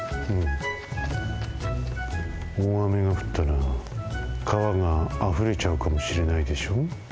おおあめがふったらかわがあふれちゃうかもしれないでしょ。